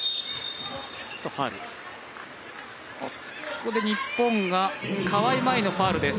ここで、日本が川井麻衣のファウルです。